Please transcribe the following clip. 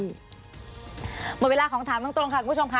หมดเวลาของถามตรงค่ะคุณผู้ชมค่ะ